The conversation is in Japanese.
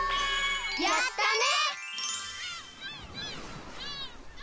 やったね！